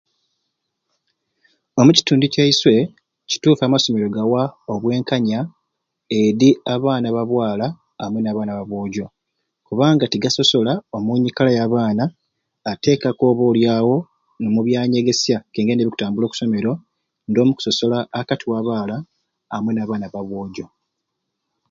Omukitundu kyaiswe kituffu amasomero gawa obwenkanya edi abaana ba bwala amwei nabaana ba bwojjo kubanga tigasosola omunyikala ya baana aa tekaku oba olyawo nomu byanyegesya nkengeri nibikutambula oku someero ndomu kusosola akati wa baala amwei nabaana ba bwojjo.